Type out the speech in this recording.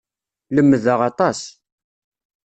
Lemmdeɣ aṭas.